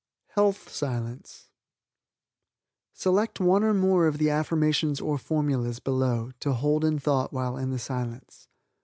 Health Silence Select one or more of the affirmations or formulas below to hold in thought while in the Silence.